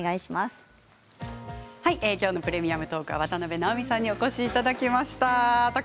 今日の「プレミアムトーク」渡辺直美さんにお越しいただきました。